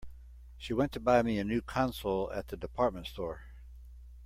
She went to buy me a new console at the department store.